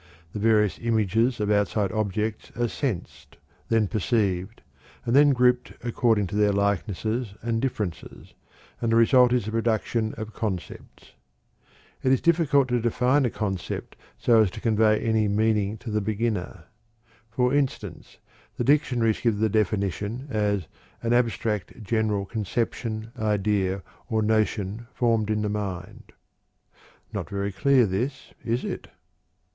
The various images of outside objects are sensed, then perceived, and then grouped according to their likenesses and differences, and the result is the production of concepts. It is difficult to define a concept so as to convey any meaning to the beginner. For instance, the dictionaries give the definition as "an abstract, general conception, idea, or notion formed in the mind." Not very clear this, is it?